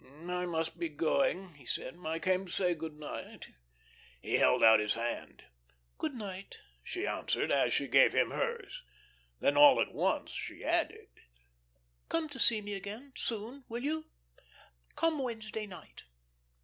"I must be going," he said. "I came to say good night." He held out his hand. "Good night," she answered, as she gave him hers. Then all at once she added: "Come to see me again soon, will you? Come Wednesday night."